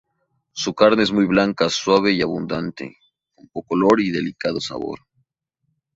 Su carne es muy blanca, suave y abundante, con poco olor y delicado sabor.